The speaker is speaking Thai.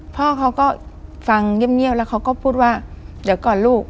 พ่อเขาก็ฟังเงียบแล้วเขาก็พูดว่าเดี๋ยวก่อนลูก